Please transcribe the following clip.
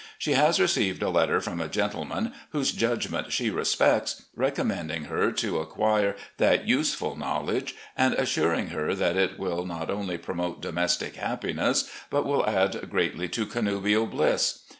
She has received a letter from a gentleman, whose judgment she respects, recommending her to acquire that useful knowledge, and assuring her that it will not only promote domestic happiness, but will add greatly to connubial bliss.